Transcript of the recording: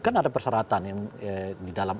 kan ada persyaratan yang di dalam